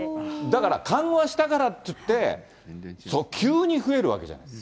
だから緩和したからっていって、急に増えるわけじゃない。